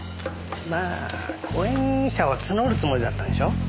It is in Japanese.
まあ後援者を募るつもりだったんでしょう。